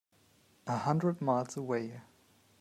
A hundred miles away.